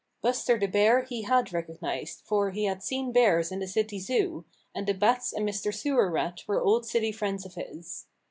Buster the Bear he had recognized, for he had seen bears in the city Zoo, and the Bats and Mr. Sewer Rat were old city friends of his.